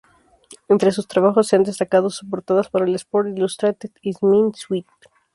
Entre sus trabajos se han destacado sus portadas para el "Sports Illustrated Swimsuit.